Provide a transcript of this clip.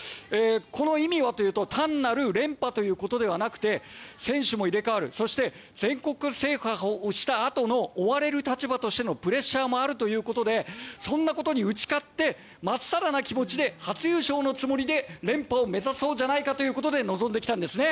この意味は、単なる連覇ということではなく選手も入れ替わり全国制覇をしたあとの追われる立場としてのプレッシャーもあるということでそんなことに打ち勝ってまっさらな気持ちで初優勝の気持ちで連覇を目指そうじゃないかと臨んできたんですね。